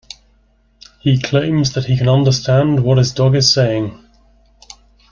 He claims that he can understand what his dog is saying